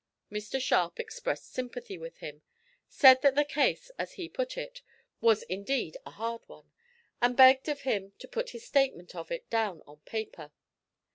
Mr Sharp expressed sympathy with him; said that the case, as he put it, was indeed a hard one, and begged of him to put his statement of it down on paper.